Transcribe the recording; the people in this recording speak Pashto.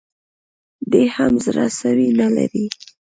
دی هم زړه سوی نه لري